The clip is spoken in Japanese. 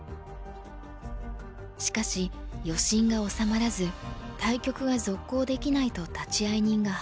しかし余震が収まらず対局が続行できないと立会人が判断。